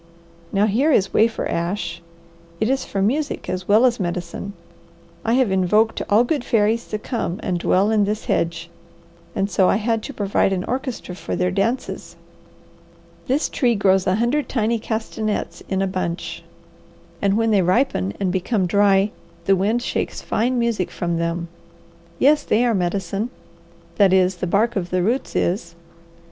Now here is wafer ash; it is for music as well as medicine. I have invoked all good fairies to come and dwell in this hedge, and so I had to provide an orchestra for their dances. This tree grows a hundred tiny castanets in a bunch, and when they ripen and become dry the wind shakes fine music from them. Yes, they are medicine; that is, the bark of the roots is.